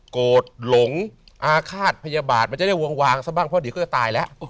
โกรธหลงอาฆาตพยาบาทมันจะได้วางซะบ้างเพราะเดี๋ยวก็จะตายแล้ว